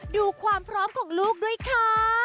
ดูความพร้อมของลูกด้วยค่ะ